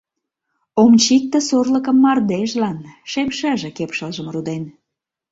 Ом чикте сорлыкым мардежлан — Шем шыже кепшылжым руден.